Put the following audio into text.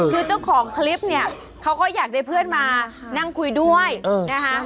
คือเจ้าของคลิปเนี่ยเขาก็อยากได้เพื่อนมานั่งคุยด้วยนะคะ